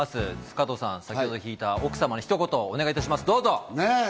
加藤さん、先ほど引いた、奥様に一言お願いします。